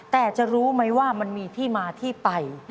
แต่จะรู้ไหมว่ามันมีที่มาที่ไป